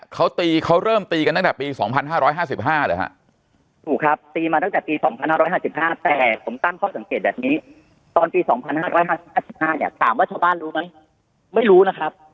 ไม่รู้นะครับมีการทำประชาธิภัณฑ์ไม่มีนะครับ